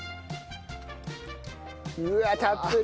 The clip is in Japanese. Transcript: うわったっぷり。